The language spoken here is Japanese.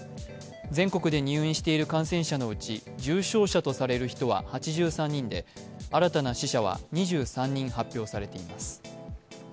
全国で入院している感染者のうち、重症者とされる人は８３人で新たな死者は２３人発表されています。